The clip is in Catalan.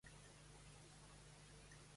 Amb què va obsequiar Diomedes a Glauc?